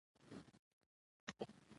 قومونه د افغانستان د بشري فرهنګ برخه ده.